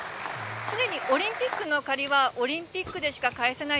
常にオリンピックの借りはオリンピックでしか返せない。